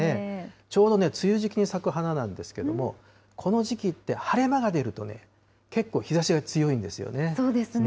ちょうどね、梅雨時期に咲く花なんですけども、この時期って晴れ間が出ると、結構、日ざしが強いんですよね。